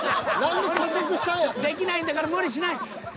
できないんだから無理しない。